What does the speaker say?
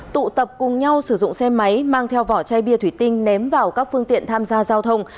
tụ tập cùng nhau sử dụng xe máy mang theo vỏ chai bia thủy tinh ném vào các phương tiện tham gia giao thông